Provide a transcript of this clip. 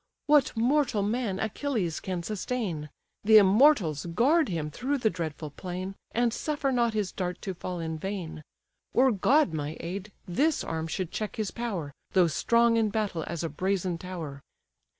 What mortal man Achilles can sustain? The immortals guard him through the dreadful plain, And suffer not his dart to fall in vain. Were God my aid, this arm should check his power, Though strong in battle as a brazen tower."